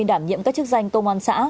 đảm nhiệm các chức danh công an xã